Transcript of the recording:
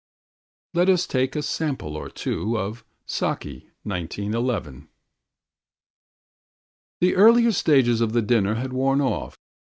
Let us take a sample or two of "Saki, 1911." "The earlier stages of the dinner had worn off.